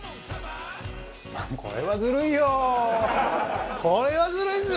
これはずるいっすよ！